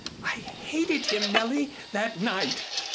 I hated him, Nellie, that night.